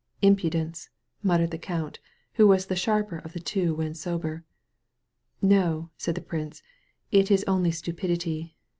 "Impudence," muttered the count, who was the sharper of the two when sober. "No," said the prince, "it is only stupidity.